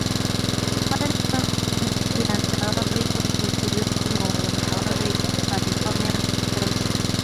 Su padre fue un plantador rico que sirvió como gobernador de Carolina del Sur.